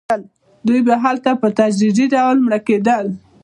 دوی به هلته په تدریجي ډول مړه کېدل.